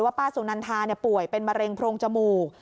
ป้าสุนันทาป่วยเป็นมะเร็งโพรงจมูก